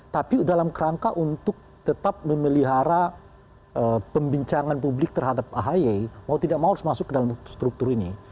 tapi dalam kerangka untuk tetap memelihara pembincangan publik terhadap ahy mau tidak mau harus masuk ke dalam struktur ini